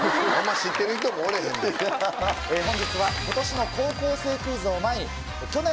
本日は今年の『高校生クイズ』を前に。